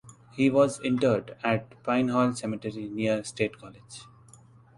He was interred at Pine Hall Cemetery near State College.